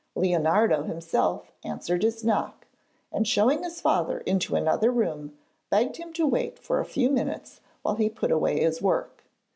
Leonardo himself answered his knock, and, showing his father into another room, begged him to wait for a few minutes while he put away his work.